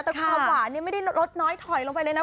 แต่ความหวานนี่ไม่ได้ลดน้อยถอยลงไปเลยนะ